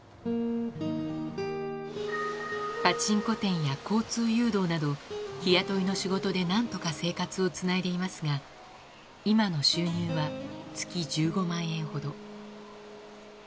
パチンコ店や交通誘導など、日雇いの仕事でなんとか生活をつないでいますが、今の収入は月１５万円ほど。